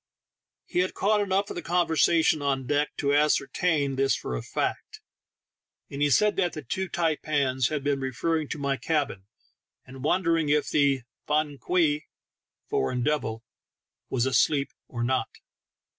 He had caught enough of the conver sation on deck to ascertain this for a fact, and he said that the two taipans had been referring to my cabin, and wondering if the "fan kwei" — foreign devil — was asleep or not.